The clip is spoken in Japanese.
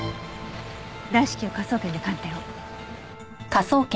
大至急科捜研で鑑定を。